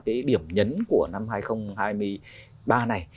cái điểm nhấn của năm hai nghìn hai mươi ba này